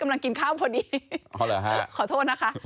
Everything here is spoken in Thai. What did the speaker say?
กำลังกินข้าวพอดีขอโทษนะคะ